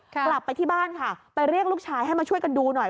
กลับไปที่บ้านค่ะไปเรียกลูกชายให้มาช่วยกันดูหน่อย